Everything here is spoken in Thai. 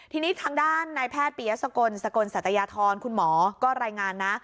ทีนี้ทางด้านนายแพทย์ปียสกลสกลสัตยาธรคุณหมอก็รายงานนะ